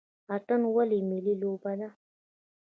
اتن ولې ملي لوبه ده؟